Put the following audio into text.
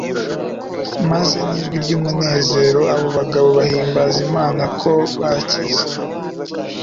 Maze n'ijwi ry'umunezero abo bagabo bahimbaza Imana ko bakize.